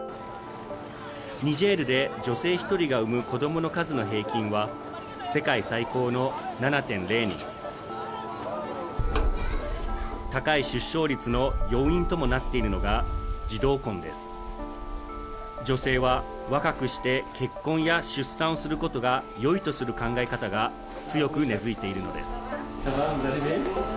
ニジェールで女性１人が産む子どもの数の平均は世界最高の７．０人高い出生率の要因ともなっているのが女性は若くして結婚や出産をすることがよいとする考え方が強く根付いているのです